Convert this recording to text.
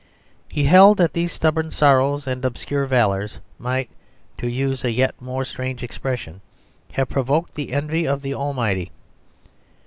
He held that these stubborn sorrows and obscure valours might, to use a yet more strange expression, have provoked the envy of the Almighty.